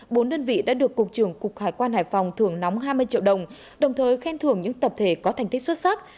bốn đơn vị đã được cục trưởng cục hải quan hải phòng thưởng nóng hai mươi triệu đồng đồng thời khen thưởng những tập thể có thành tích xuất sắc